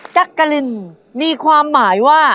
จักรินมีความหมายว่า